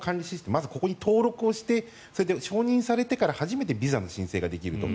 まずここに登録して承認してから初めてビザの申請ができると。